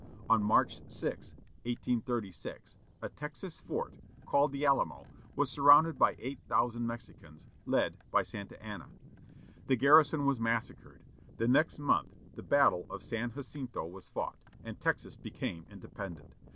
On March 6, 1836, a Texan fort, called the Alamo, was surrounded by eight thousand Mexicans, led by Santa Anna. The garrison was massacred. The next month the battle of San Jacinto was fought, and Texas became independent.